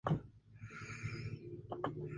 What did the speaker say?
Actualmente forma parte de la Línea Sarmiento.